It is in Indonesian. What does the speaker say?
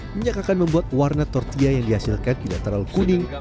minyak akan membuat warna tortilla yang dihasilkan tidak terlalu kuning